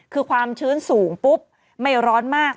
คือความชื้นสูงปุ๊บไม่ร้อนมาก